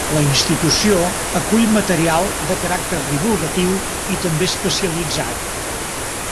La institució acull material de caràcter divulgatiu i també especialitzat.